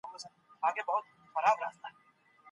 علمي بډاينه تر مادي شتمنۍ زياته اړينه ده.